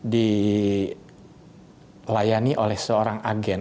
dilayani oleh seorang agen